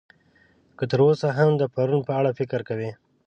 که تر اوسه هم د پرون په اړه فکر کوئ.